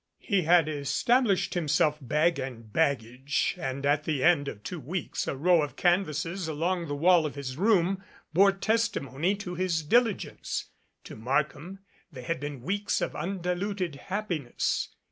He had established himself bag and baggage and at the end of two weeks a row of canvases along the wall of his room bore testimony to his diligence. To Markham they had been weeks of undiluted happiness.